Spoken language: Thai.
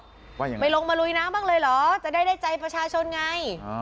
ว่าอย่างงั้นไปลงมารุยหน้าบ้างเลยเหรอจะได้ใจประชาชนไง